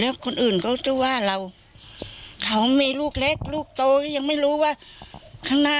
อย่ายุ่งนะ